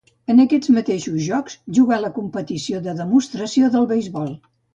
En aquests mateixos Jocs jugà la competició de demostració del beisbol.